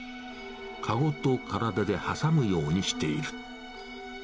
籠と体で挟むようにしている。